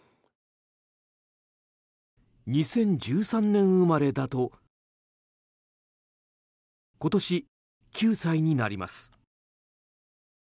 ２０１３年生まれだと今年９歳になります。